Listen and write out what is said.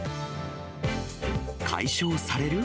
解消される？